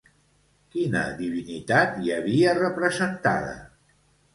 Quina divinitat hi havia representada?